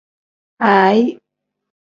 Aayi.